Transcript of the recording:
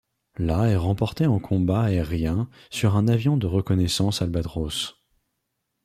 La est remportée en combat aérien sur un avion de reconnaissance Albatros.